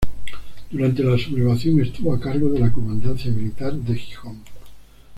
Durante la sublevación estuvo a cargo de la comandancia militar de Gijón.